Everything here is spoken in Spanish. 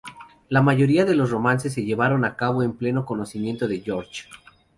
La mayoría de los romances se llevaron a cabo con pleno conocimiento de George.